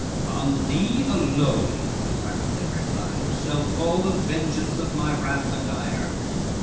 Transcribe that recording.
"On thee alone," the tyrant then replied, "Shall fall the vengeance of my wrath and ire."